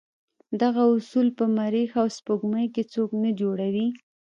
دغه اصول په مریخ او سپوږمۍ کې څوک نه جوړوي.